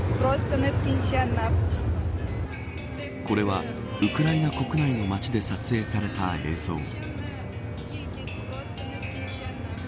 これはウクライナ国内の町で撮影された映像。